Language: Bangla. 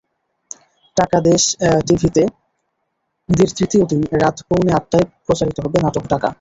টাকাদেশ টিভিতে ঈদের তৃতীয় দিন রাত পৌনে আটটায় প্রচারিত হবে নাটক টাকা।